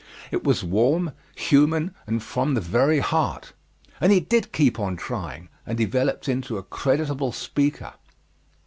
It was warm, human, and from the very heart. And he did keep on trying and developed into a creditable speaker.